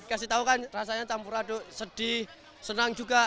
kasih tau kan rasanya campur aduk sedih senang juga